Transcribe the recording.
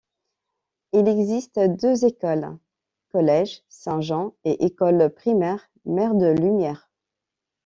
Il existe deux écoles, Collège Saint Jean et Ecole primaire Mère de Lumiere.